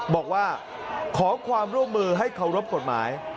บอกว่าขอความร่วมมือให้เคารพกฎหมาย